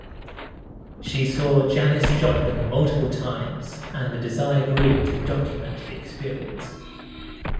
She saw Janis Joplin multiple times and the desire grew to document the experience.